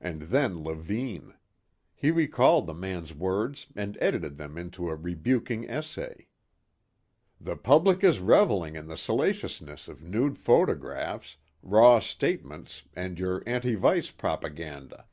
And then Levine. He recalled the man's words and edited them into a rebuking essay "The public is revelling in the salaciousness of nude photographs, raw statements and your anti vice propaganda.